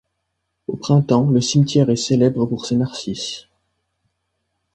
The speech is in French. Au printemps, le cimetière est célèbre pour ses narcisses.